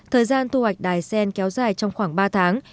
thời gian thu hoạch đài sen kéo dài trong khoảng ba tháng